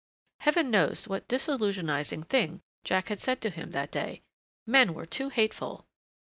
Heaven knows what disillusionizing thing Jack had said to him that day!... Men were too hateful.